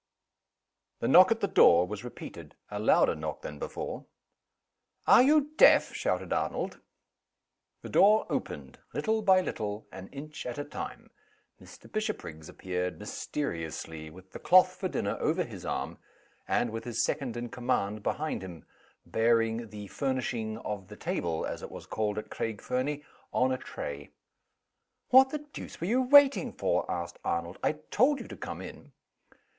THE knock at the door was repeated a louder knock than before. "Are you deaf?" shouted Arnold. The door opened, little by little, an inch at a time. Mr. Bishopriggs appeared mysteriously, with the cloth for dinner over his arm, and with his second in command behind him, bearing "the furnishing of the table" (as it was called at Craig Fernie) on a tray. "What the deuce were you waiting for?" asked Arnold. "I told you to come in."